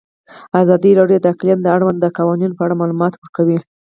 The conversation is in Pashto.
ازادي راډیو د اقلیم د اړونده قوانینو په اړه معلومات ورکړي.